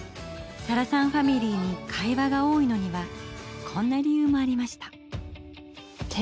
サラさんファミリーに会話が多いのにはこんな理由もありました。